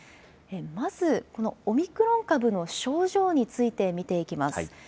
まずこのオミクロン株の症状について見ていきます。